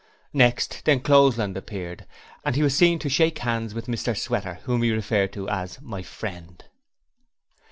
Next D'Encloseland appeared and he was seen to shake hands with Mr Sweater, whom he referred to as 'My friend'.